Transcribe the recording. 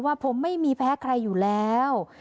ว่าผมไม่มีแพ้ใครอยู่แล้ว